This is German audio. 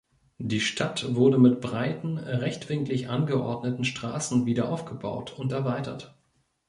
Die Stadt wurde mit breiten rechtwinklig angeordneten Straßen wiederaufgebaut und erweitert.